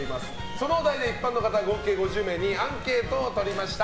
そのお題で一般の方合計５０名にアンケートを取りました。